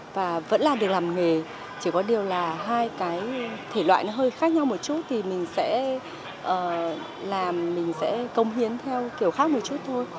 và vẫn là được làm nghề chỉ có điều là hai cái thể loại nó hơi khác nhau một chút thì mình sẽ làm mình sẽ công hiến theo kiểu khác một chút thôi